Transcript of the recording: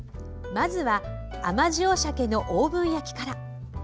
まずは「甘塩しゃけのオーブン焼き」から。